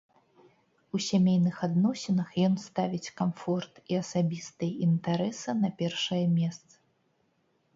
У сямейных адносінах ён ставіць камфорт і асабістыя інтарэсы на першае месца.